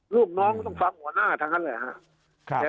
ลูกน้องต้องฟังหัวหน้าทั้งนั้นแหละครับ